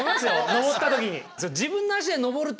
登った時に。